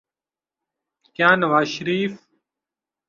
کیا نوازشریف ٹھنڈے پیٹوں یہ سب برداشت کر لیں گے؟